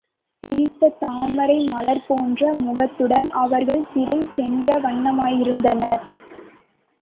சிரித்த தாமரை மலர் போன்ற முகத்துடன் அவர்கள் சிறைசென்றவண்ணமாயிருந்தனர்.